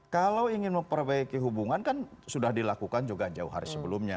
kalau ingin memperbaiki hubungan kan sudah dilakukan juga jauh hari sebelumnya